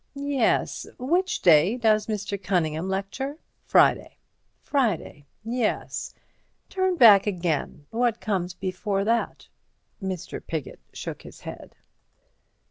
"Yes. Which day does Mr. Cunningham lecture?" "Friday." "Friday; yes. Turn back again. What comes before that?" Mr. Piggott shook his head.